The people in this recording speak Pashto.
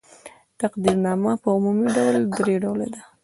تقدیرنامه په عمومي ډول درې ډوله ده.